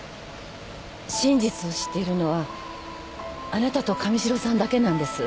真実を知っているのはあなたと神代さんだけなんです。